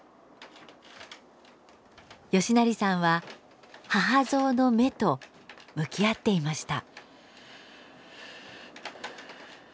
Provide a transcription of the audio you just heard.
嘉成さんは母ゾウの目と向き合っていました。